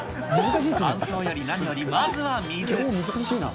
感想より何よりまずは水。